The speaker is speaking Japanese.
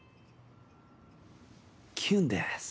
キュンです。